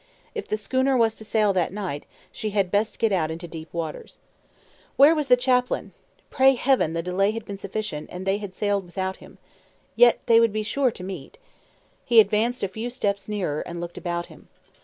If the schooner was to sail that night, she had best get out into deep waters. Where was the chaplain? Pray Heaven the delay had been sufficient, and they had sailed without him. Yet they would be sure to meet. He advanced a few steps nearer, and looked about him.